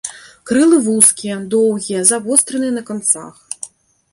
Крылы вузкія, доўгія, завостраныя на канцах.